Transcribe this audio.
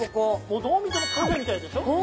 どう見てもカフェみたいでしょ？